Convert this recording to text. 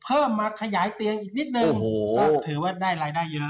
เพิ่มมาขยายเตียงอีกนิดนึงก็ถือว่าได้รายได้เยอะ